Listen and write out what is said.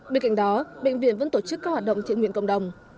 bên cạnh đó bệnh viện vẫn tổ chức các hoạt động thiện nguyện cộng đồng